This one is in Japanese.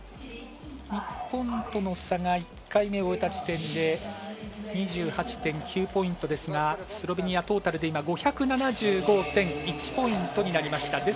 日本との差が１回目を終えた時点で２８．９ポイントですがスロベニア、トータルで今、５７５．１ポイントになりました。